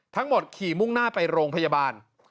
ทั้งหมดขี่มุ่งหน้าไปโรงพยาบาล